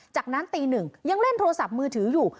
จากนั้นตีหนึ่งยังเล่นโทรศัพท์มือถืออยู่